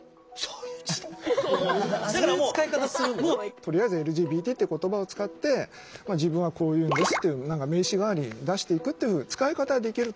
とりあえずＬＧＢＴって言葉を使って自分はこういうのですっていう名刺代わりに出していくっていう使い方はできると思うんですよ。